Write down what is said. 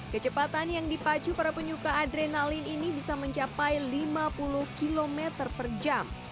kecepatan yang dipacu para penyuka adrenalin ini bisa mencapai lima puluh km per jam